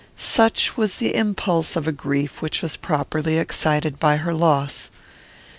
Such was the impulse of a grief which was properly excited by her loss.